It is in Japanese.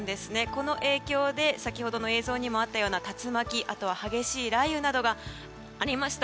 この影響で先ほどの映像にもあったような竜巻あとは激しい雷雨などがありました。